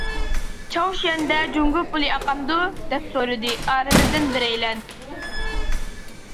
«چاۋشيەندە جۇڭگو پۇلى ئاقامدۇ؟ » دەپ سورىدى، ئارىمىزدىن بىرەيلەن.